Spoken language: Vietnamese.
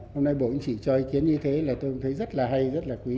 hôm nay bộ chỉ cho ý kiến như thế là tôi thấy rất là hay rất là quý